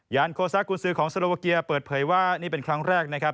โคซากุญซือของสโลวาเกียเปิดเผยว่านี่เป็นครั้งแรกนะครับ